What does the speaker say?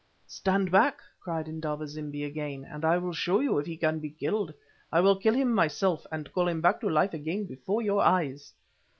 "Stand back," cried Indaba zimbi again, "and I will show you if he can be killed. I will kill him myself, and call him back to life again before your eyes."